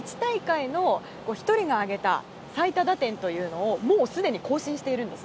ＷＢＣで１大会の１人が挙げた最多打点というのをもうすでに更新しているんです。